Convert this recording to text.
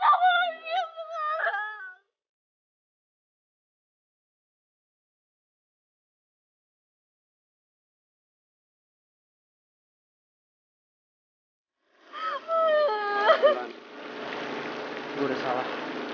kenapa lo diam mak